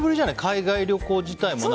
海外旅行自体も。